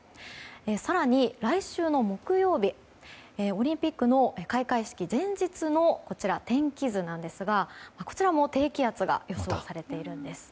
更に、来週の木曜日オリンピックの開会式前日の天気図なんですがこちらも低気圧が予想されているんです。